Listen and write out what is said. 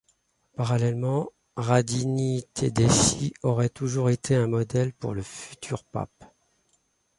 Parallèlement, Radini-Tedeschi aurait toujours été un modèle pour le futur pape.